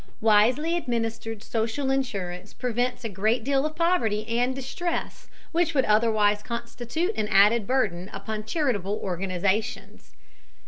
Wisely administered social insurance prevents a great deal of poverty and distress which would otherwise constitute an added burden upon charitable organizations.